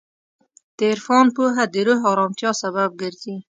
د عرفان پوهه د روح ارامتیا سبب ګرځي.